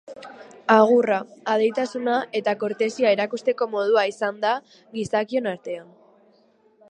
Agurra, adeitasuna eta kortesia erakusteko modua izan da gizakion artean.